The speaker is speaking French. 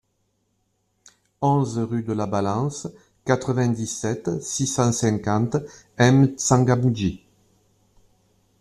onze rUE DE LA BALANCE, quatre-vingt-dix-sept, six cent cinquante, M'Tsangamouji